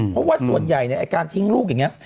เพราะว่าส่วนใหญ่การทิ้งลูกอย่างนี้